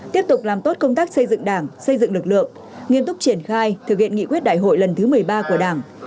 tiếp tục làm tốt công tác xây dựng đảng xây dựng lực lượng nghiêm túc triển khai thực hiện nghị quyết đại hội lần thứ một mươi ba của đảng